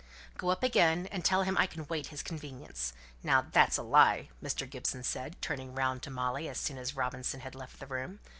"Go up again, and tell him I can wait his convenience. Now that's a lie," Mr. Gibson said, turning round to Molly as soon as Robinson had left the room.